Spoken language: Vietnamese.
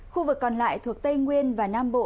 khu vực còn lại thuộc tây nguyên và nam bộ